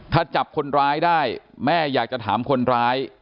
ถ้าจับคนร้ายได้แม่อยากจะถามคนร้าย